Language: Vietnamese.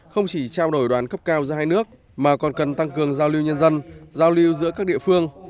không chỉ trao đổi đoàn cấp cao giữa hai nước mà còn cần tăng cường giao lưu nhân dân giao lưu giữa các địa phương